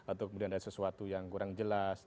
atau kemudian ada sesuatu yang kurang jelas